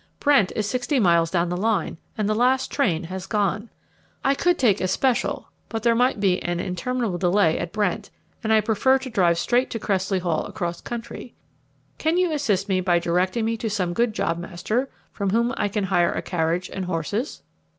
Brent is sixty miles down the line, and the last train has gone. I could take a 'special,' but there might be an interminable delay at Brent, and I prefer to drive straight to Cressley Hall across country. Can you assist me by directing me to some good jobmaster from whom I can hire a carriage and horses?"